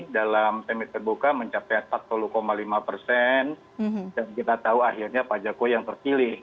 dalam temis terbuka mencapai empat puluh lima persen dan kita tahu akhirnya pak jokowi yang terpilih